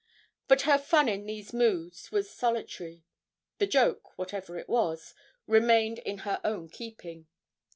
But her fun in these moods was solitary. The joke, whatever it was, remained in her own keeping.